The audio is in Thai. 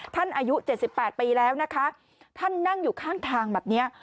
ท่านอายุเจ็ดสิบแปดปีแล้วนะคะท่านนั่งอยู่ข้างทางแบบเนี้ย